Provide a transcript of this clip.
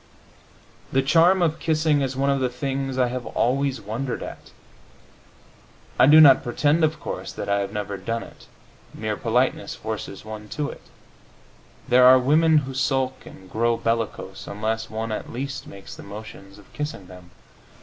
The charm of kissing is one of the things I have always wondered at. I do not pretend, of course, that I have never done it; mere politeness forces one to it; there are women who sulk and grow bellicose unless one at least makes the motions of kissing them.